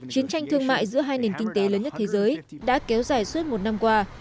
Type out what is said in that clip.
chiến tranh thương mại giữa hai nền kinh tế lớn nhất thế giới đã kéo dài suốt một năm qua